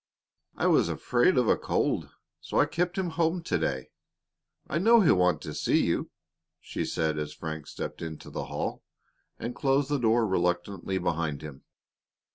"I was afraid of a cold, so I kept him home to day. I know he'll want to see you," she said as Frank stepped into the hall and closed the door reluctantly behind him.